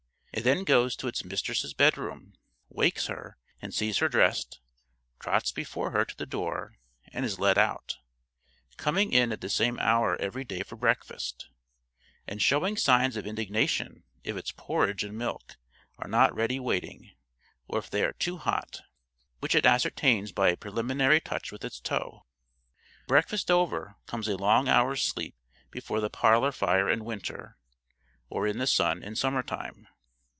It then goes to its mistress's bedroom, wakes her and sees her dressed, trots before her to the door and is let out, coming in at the same hour every day for breakfast, and showing signs of indignation if its porridge and milk are not ready waiting, or if they are too hot, which it ascertains by a preliminary touch with its toe. Breakfast over, comes a long hour's sleep before the parlour fire in winter, or in the sun in summer time.